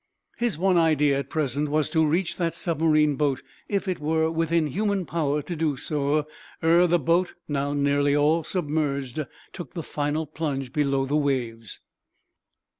His one idea, at present, was to reach that submarine boat if it were within human power to do so ere the boat, now nearly all submerged, took the final plunge below the waves.